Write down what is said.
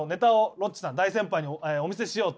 ロッチさん大先輩にお見せしようと。